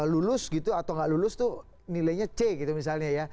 lulus gitu atau gak lulus tuh nilainya c gitu misalnya ya